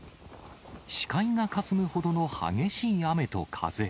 視界がかすむほどの激しい雨と風。